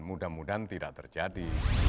mudah mudahan tidak terjadi